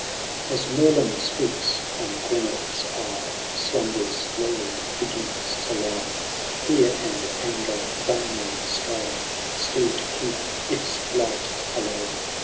* XXVIL As Merlin speaks, on 6yneth*8 eye Slumber's load begins to lie ; Fear and anger vainly strive Still to keep its light aUve.